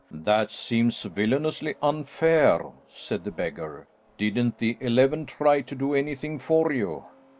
"That seems villainously unfair," said the beggar. "Didn't the eleven try to do anything for you?"